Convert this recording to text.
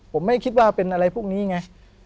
ผมไม่คิดว่าเป็นอะไรพวกนี้ไง